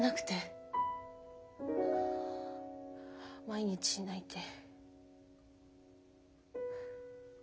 毎日泣いて。